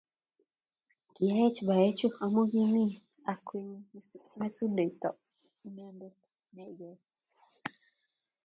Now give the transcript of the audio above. KiyaecBa-ech amu ki akwennyi. Mestowondennyo Inendet;h Ine Inegei.